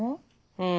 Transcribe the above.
うん。